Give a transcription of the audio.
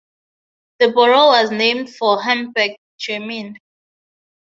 The borough was named for Hamburg, Germany.